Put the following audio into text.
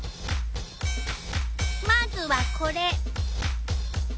まずはこれ。